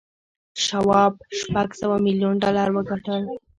شواب شپږ سوه میلیون ډالر وګټل